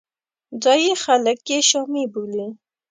ځایي خلک یې شامي بولي.